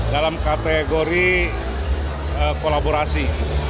dalam kategori kolaborasi